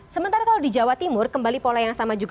sementara kalau di jawa timur kembali pola yang sama juga